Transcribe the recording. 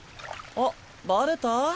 あっバレた？